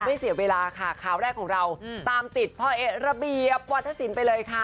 เสียเวลาค่ะข่าวแรกของเราตามติดพ่อเอ๊ะระเบียบวัฒนศิลปไปเลยค่ะ